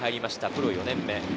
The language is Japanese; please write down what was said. プロ４年目。